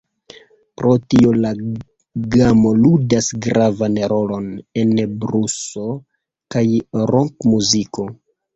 Pro tio la gamo ludas gravan rolon en bluso kaj rokmuziko.